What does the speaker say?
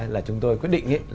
là chúng tôi quyết định